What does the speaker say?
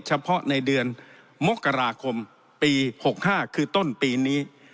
เฉพาะในเดือนมกราคมปี๖๕คือต้นปีนี้